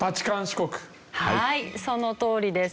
はいそのとおりです。